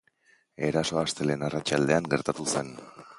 Erasoa astelehen arratsaldean gertatu zen.